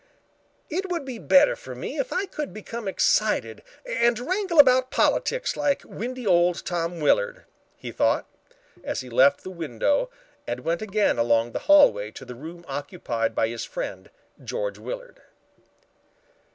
"It would be better for me if I could become excited and wrangle about politics like windy old Tom Willard," he thought, as he left the window and went again along the hallway to the room occupied by his friend, George Willard.